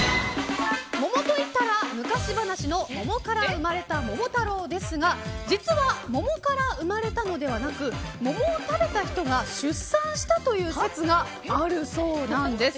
桃といったら昔話の桃から生まれた桃太郎ですが実は、桃から生まれたのではなく桃を食べ人が出産したという説があるそうなんです。